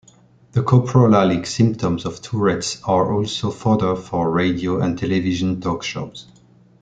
The coprolalic symptoms of Tourette's are also fodder for radio and television talk shows.